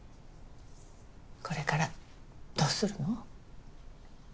これからどうするの？